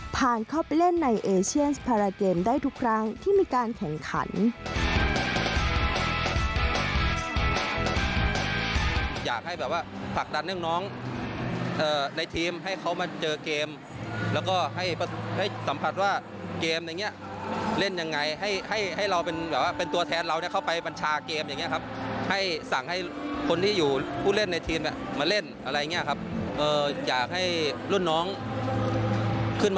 ผ่านเข้าไปเล่นในเอเชียนพาราเกมได้ทุกครั้งที่มีการแข่งขัน